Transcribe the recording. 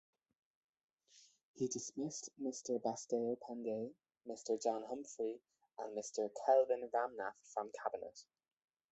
He dismissed Mr. Basdeo Panday, Mr. John Humphrey, and Mr Kelvin Ramnath from Cabinet.